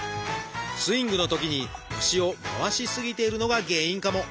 スイングのときに腰を回し過ぎているのが原因かも。